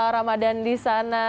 ramadan di sana